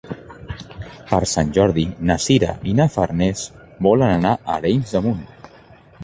Per Sant Jordi na Sira i na Farners volen anar a Arenys de Munt.